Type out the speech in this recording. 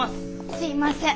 すいません